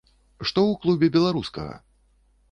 Што ў клубе беларускага?